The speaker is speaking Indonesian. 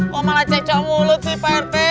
kok malah cecak mulu sih pak rt